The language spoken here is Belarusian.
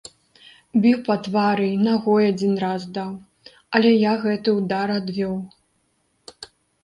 Біў па твары і нагой адзін раз даў, але я гэты ўдар адвёў.